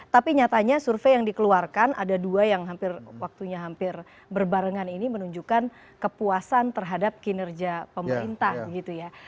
tapi nyatanya survei yang dikeluarkan ada dua yang hampir waktunya hampir berbarengan ini menunjukkan kepuasan terhadap kinerja pemerintah gitu ya